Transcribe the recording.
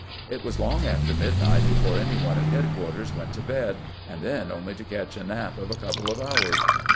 It was long after midnight before any one at headquarters went to bed, and then only to catch a nap of a couple of hours.